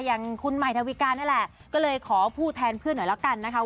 อย่างคุณใหม่ดาวิกานี่แหละก็เลยขอพูดแทนเพื่อนหน่อยแล้วกันนะคะ